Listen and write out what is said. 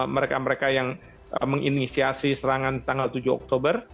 mereka mereka yang menginisiasi serangan tanggal tujuh oktober